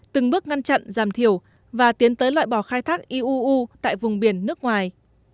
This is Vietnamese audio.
từng bước ngăn chặn giảm thiểu và tiến tới loại bỏ khai thác iuu tại vùng biển nước ngoài